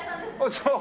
そう。